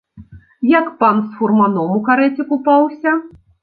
Як пан з фурманом у карэце купаўся?